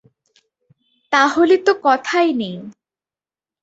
তা হলে তো কথাই নেই!